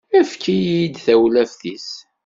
Efk-iyi-d tawlaft-is.